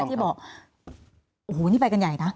ที่บอกโอ้โหนี่ไปกันใหญ่นะ